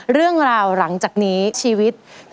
เรื่องราวหลังจากนี้